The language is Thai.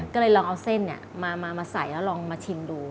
ก็เลยลองเอาเส้นมาใส่แล้วลองมาชิมดู